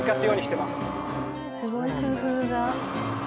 すごい工夫だ。